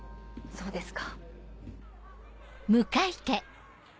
そうですか。